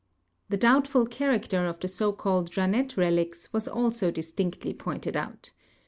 The doubtful character of the so called Jeannette relics was also distinctl}" pointed out.